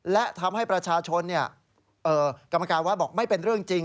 และทำให้ประชาชนกรรมการวัดบอกไม่เป็นเรื่องจริง